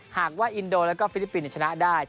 หากว่าอินโดแล้วก็ฟิลิปปินส์ชนะได้